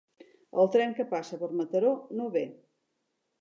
El tren que passa per Mataró no ve.